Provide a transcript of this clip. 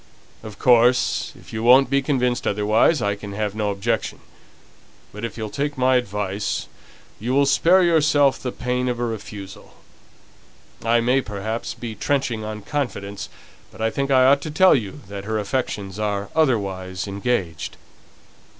"Of course, if you won't be convinced otherwise, I can have no objection. But if you'll take my advice, you will spare yourself the pain of a refusal. I may, perhaps, be trenching on confidence, but I think I ought to tell you that her affections are otherwise engaged."